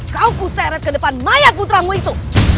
kau kuseret ke depan mayat putramu itu